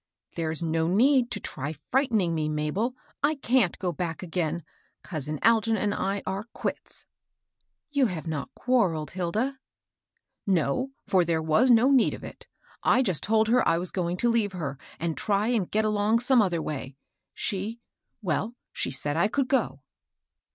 " There's no need to try fiightening me, Mabel. I can't go back again. Cousin Algin and I are quits." You have not quarrelled, Hilda? " 66 MABEL ROSS. " No ; for there was no need of it. I just told her I was going to leave her, and try and get along some other way ; she — well, she s^d I could go."